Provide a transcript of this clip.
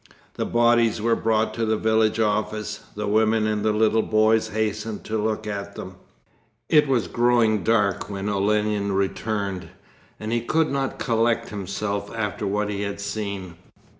The bodies were brought to the village office. The women and the little boys hastened to look at them. It was growing dark when Olenin returned, and he could not collect himself after what he had seen.